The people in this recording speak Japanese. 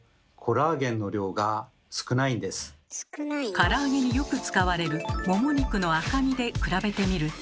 から揚げによく使われるもも肉の赤身で比べてみると。